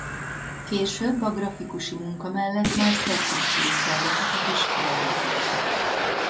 Később a grafikusi munka mellett már szerkesztői feladatokat is ellátott.